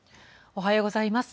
おはようございます。